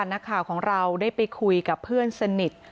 นักข่าวของเราได้ไปคุยกับเพื่อนสนิท